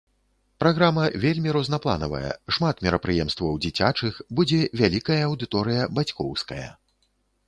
Праграма вельмі рознапланавая, шмат мерапрыемстваў дзіцячых, будзе вялікая аўдыторыя бацькоўская.